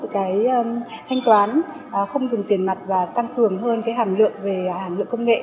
cái thanh toán không dùng tiền mặt và tăng cường hơn cái hàm lượng về hàm lượng công nghệ